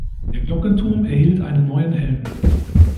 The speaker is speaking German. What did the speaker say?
Der Glockenturm erhielt einen neuen Helm.